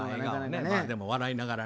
でも笑いながらね。